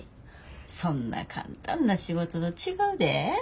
そんな簡単な仕事と違うで。